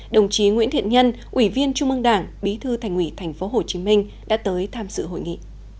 đồng chí nguyễn thiện nhân ủy viên trung mương đảng bí thư thành ủy tp hcm đã tới tham dự hội nghị